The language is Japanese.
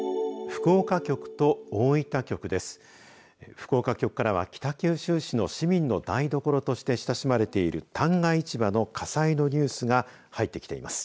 福岡局からは、北九州市の市民の台所として親しまれている旦過市場の火災のニュースが入ってきています。